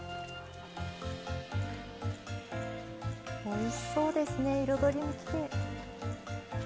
おいしそうですね彩りもきれい。